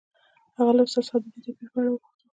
هغه له استاد څخه د دې توپیر په اړه وپوښتل